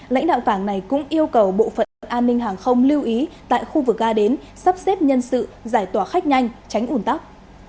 lãnh đạo cảng này cũng yêu cầu bộ phận an ninh hàng không lưu ý tại khu vực ga đến sắp xếp nhân sự giải tỏa khách nhanh tránh ủn tắc